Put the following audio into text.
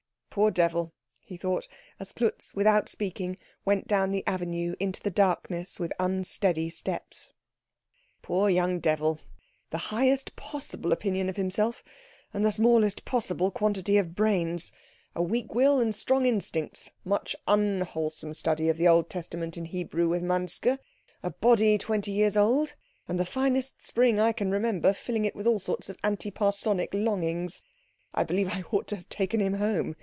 "Poor devil," he thought, as Klutz without speaking went down the avenue into the darkness with unsteady steps, "poor young devil the highest possible opinion of himself, and the smallest possible quantity of brains; a weak will and strong instincts; much unwholesome study of the Old Testament in Hebrew with Manske; a body twenty years old, and the finest spring I can remember filling it with all sorts of anti parsonic longings. I believe I ought to have taken him home.